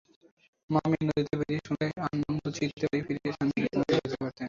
মা-মেয়ে নদীতে বেড়িয়ে সন্ধ্যায় আনন্দচিত্তে বাড়ি ফিরে শান্তিতে ঘুমাতে যেতে পারতেন।